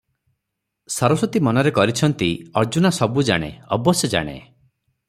ସରସ୍ୱତୀ ମନରେ କରିଛନ୍ତି, ଅର୍ଜୁନା ସବୁ ଜାଣେ, ଅବଶ୍ୟ ଜାଣେ ।